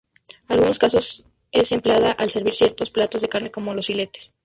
En algunos casos es empleada al servir ciertos platos de carne, como los filetes.